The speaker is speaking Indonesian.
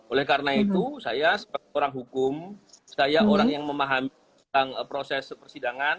oleh karena itu saya sebagai orang hukum saya orang yang memahami tentang proses persidangan